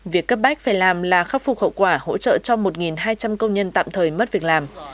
việc cấp bách phải làm là khắc phục hậu quả hỗ trợ cho một hai trăm linh công nhân tạm thời mất việc làm